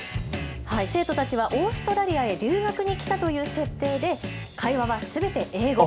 生徒たちはオーストラリアへ留学に来たという設定で会話はすべて英語。